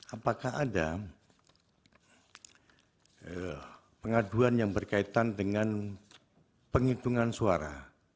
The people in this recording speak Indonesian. apakah ada pengaduan yang berkaitan dengan penghitungan suara